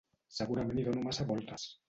Segurament hi dono massa voltes.